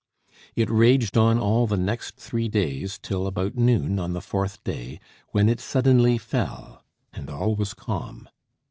It raged on all the next three days, till about noon on the fourth day, when it suddenly fell, and all was calm.